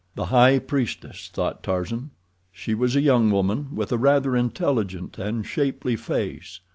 The high priestess, thought Tarzan. She was a young woman with a rather intelligent and shapely face.